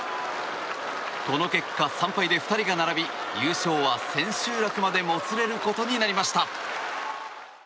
この結果、３敗で２人が並び優勝は千秋楽までもつれることになりました。